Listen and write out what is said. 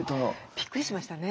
びっくりしましたね。